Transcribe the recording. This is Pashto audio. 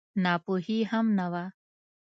ناپوهي هم نه وه.